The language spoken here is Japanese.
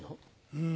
うん。